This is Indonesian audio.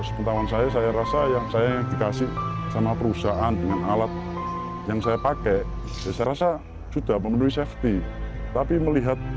sampai jumpa di video selanjutnya